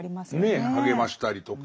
ねえ励ましたりとか。